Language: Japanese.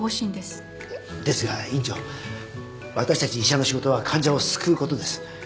いやですが院長私たち医者の仕事は患者を救うことです。